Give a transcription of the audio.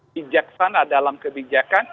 bijaksana dalam kebijakan